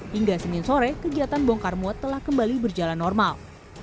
hingga senin sore kegiatan bongkar muat telah kembali berjalan normal